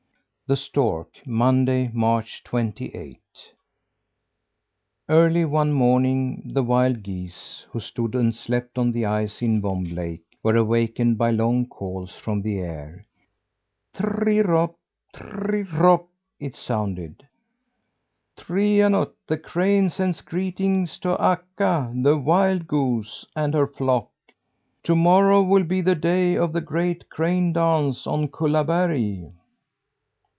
THE STORK Monday, March twenty eighth. Early one morning the wild geese who stood and slept on the ice in Vomb Lake were awakened by long calls from the air. "Trirop, Trirop!" it sounded, "Trianut, the crane, sends greetings to Akka, the wild goose, and her flock. To morrow will be the day of the great crane dance on Kullaberg."